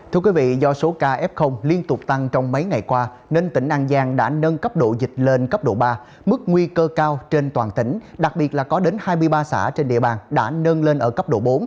thưa quý vị do số ca f liên tục tăng trong mấy ngày qua nên tỉnh an giang đã nâng cấp độ dịch lên cấp độ ba mức nguy cơ cao trên toàn tỉnh đặc biệt là có đến hai mươi ba xã trên địa bàn đã nâng lên ở cấp độ bốn